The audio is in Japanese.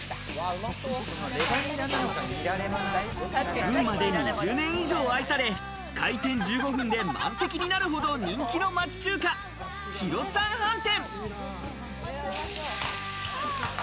群馬で２０年以上愛され、開店１５分で満席になるほど人気の街中華・広ちゃん飯店。